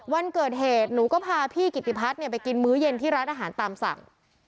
วันเกิดเหตุหนูก็พาพี่กิติพัฒน์ไปกินมื้อเย็นที่ร้านอาหารตามสั่ง